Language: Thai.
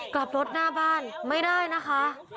กลับรถหน้าบ้านไม่ได้นะคะ